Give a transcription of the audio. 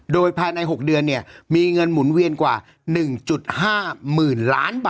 โดยภายใน๖เดือนเนี่ยมีเงินหมุนเวียนกว่า๑๕๐๐๐ล้านบาท